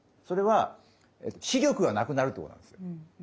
それは視力がなくなるってことなんですよ。